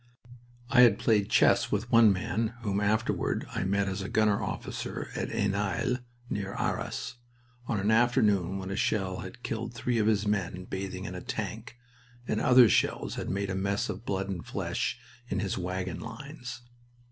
I had played chess with one man whom afterward I met as a gunner officer at Heninel, near Arras, on an afternoon when a shell had killed three of his men bathing in a tank, and other shells made a mess of blood and flesh in his wagon lines.